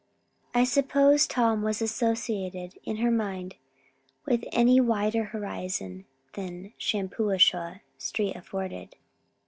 I suppose Tom was associated in her mind with any wider horizon than Shampuashuh street afforded.